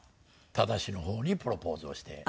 忠志の方にプロポーズをして。